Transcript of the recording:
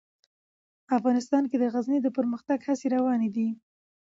افغانستان کې د غزني د پرمختګ هڅې روانې دي.